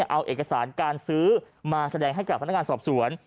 เอาเอกสารการซื้อมาแสดงให้กับพนักงานสอบสวน